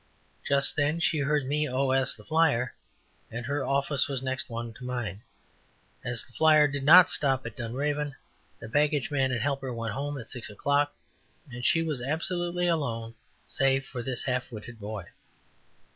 Just then she heard me "OS" the flyer and her office was the next one to mine. As the flyer did not stop at Dunraven, the baggageman and helper went home at six o'clock and she was absolutely alone save for this half witted boy.